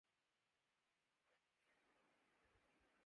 میرے نزدیک یہ فوج اور سیاسی قیادت کے مابین فاصلوں کی نشان دہی کرتی ہے۔